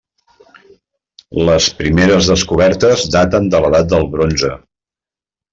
Les primeres descobertes daten de l'edat de bronze.